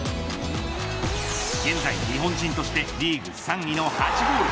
現在、日本人としてリーグ３位の８ゴール。